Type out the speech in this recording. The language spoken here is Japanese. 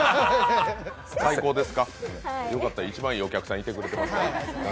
最高ですか、よかった、一番いいお客さんいてくれた。